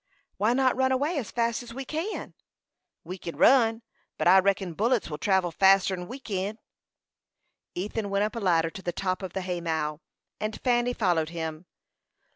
"Why not run away as fast as we can?" "We kin run, but I reckon bullets will travel faster 'n we kin." Ethan went up a ladder to the top of the hay mow, and Fanny followed him.